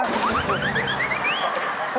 คุณได้เหรอ